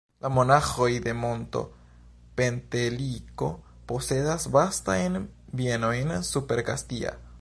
La monaĥoj de monto Penteliko posedas vastajn bienojn super Kastia.